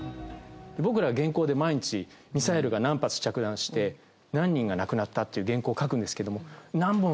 僕らは原稿で毎日ミサイルが何発着弾して何人が亡くなったっていう原稿を書くんですけども。